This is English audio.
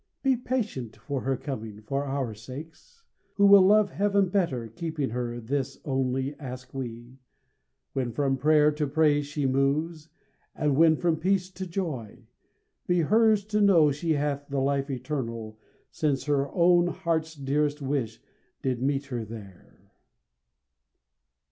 Be patient for her coming, for our sakes, Who will love Heaven better, keeping her. This only ask we: When from prayer to praise She moves, and when from peace to joy; be hers To know she hath the life eternal, since Her own heart's dearest wish did meet her there.